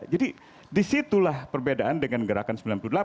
jadi disitulah perbedaan dengan gerakan sembilan puluh delapan